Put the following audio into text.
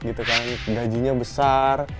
gitu kan gajinya besar